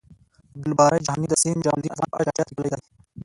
عبد الباری جهانی د سید جمالدین افغان په اړه چټیات لیکلی دی